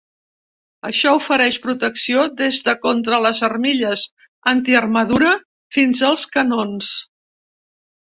Això ofereix protecció des de contra les armilles antiarmadura fins als canons.